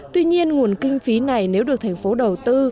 tuy nhiên nguồn kinh phí này nếu được thành phố đầu tư